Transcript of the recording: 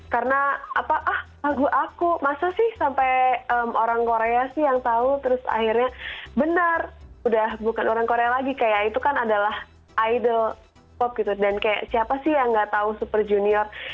karena apa ah lagu aku masa sih sampai orang korea sih yang tahu terus akhirnya benar udah bukan orang korea lagi kayak itu kan adalah idol k pop gitu dan kayak siapa sih yang nggak tahu super junior